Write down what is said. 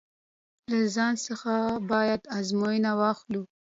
له ځان څخه باید ازموینه واخلو.